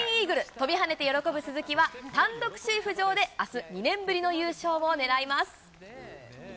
跳びはねて喜ぶ鈴木は、単独首位浮上で、あす、２年ぶりの優勝を狙います。